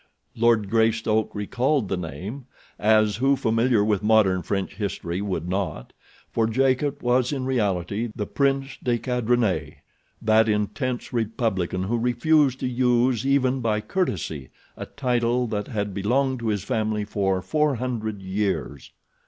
Lord Greystoke recalled the name, as who familiar with modern French history would not, for Jacot was in reality the Prince de Cadrenet—that intense republican who refused to use, even by courtesy, a title that had belonged to his family for four hundred years.